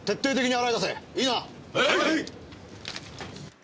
はい！